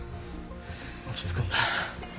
落ち着くんだ。